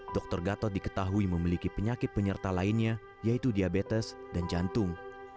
dokter gatot diketahui memiliki penyakit penyerta lainnya yaitu diabetes dan jantung